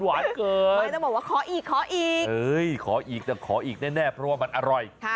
ไม่ต้องบอกว่าขออีกขออีกขออีกแต่ขออีกแน่เพราะว่ามันอร่อย